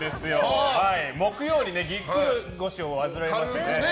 木曜日にぎっくり腰をわずらいまして。